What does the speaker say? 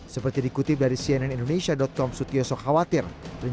seperti dikutip dari cnn indonesia com sutioso khawatir